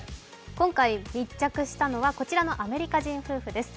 今回、密着したのがこちらのアメリカ人夫婦です。